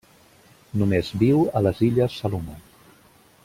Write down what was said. Només viu a les illes Salomó.